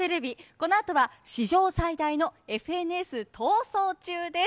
このあとは史上最大の「ＦＮＳ逃走中」です。